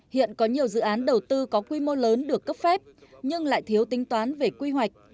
hiện có nhiều dự án đầu tư có quy mô lớn được cấp phép nhưng lại thiếu tính toán về quy hoạch